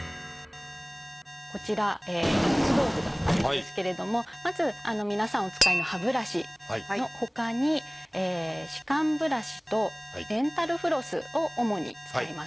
こちら３つ道具があるんですけれどもまず皆さんお使いの歯ブラシのほかに歯間ブラシとデンタルフロスを主に使います。